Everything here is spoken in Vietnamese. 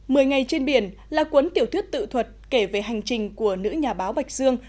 mười ngày trên biển là cuốn tiểu thuyết tự thuật kể về hành trình của nữ nhà báo bạch dương